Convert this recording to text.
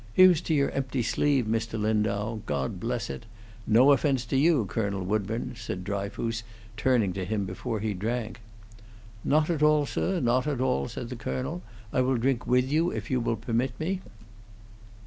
Here's to your empty sleeve, Mr. Lindau. God bless it! No offence to you, Colonel Woodburn," said Dryfoos, turning to him before he drank. "Not at all, sir, not at all," said the colonel. "I will drink with you, if you will permit me."